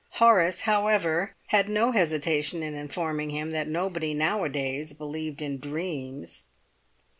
Horace, however, had no hesitation in informing him that nobody nowadays believed in dreams.